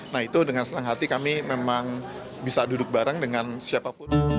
nah itu dengan senang hati kami memang bisa duduk bareng dengan siapapun